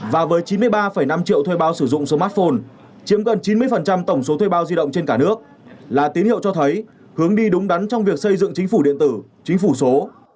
và với chín mươi ba năm triệu thuê bao sử dụng smartphone chiếm gần chín mươi tổng số thuê bao di động trên cả nước là tín hiệu cho thấy hướng đi đúng đắn trong việc xây dựng chính phủ điện tử chính phủ số